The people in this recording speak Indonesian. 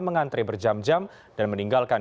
mengantre berjam jam dan meninggalkan